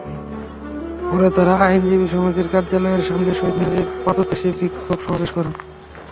পরে তাঁরা আইনজীবী সমিতির কার্যালয়ের সামনে শহীদ মিনারের পাদদেশে বিক্ষোভ সমাবেশ করেন।